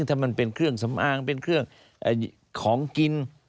ถ้ามันเป็นเครื่องสำอางเป็นเครื่องของกิน